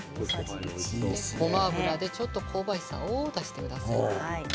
ごま油で香ばしさを出してください。